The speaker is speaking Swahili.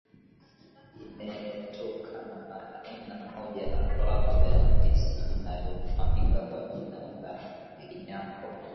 limetokana na aina moja wapo ya ndizi inayofahamika kwa jina la Enyambo